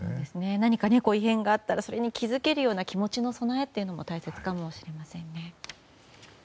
何か、異変があったらそれに気付けるような気持ちの備えというのも大切かもしれませんね。